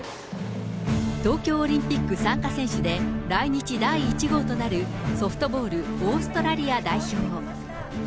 東京オリンピック参加選手で、来日第１号となるソフトボールオーストラリア代表。